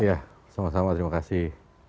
ya sama sama terima kasih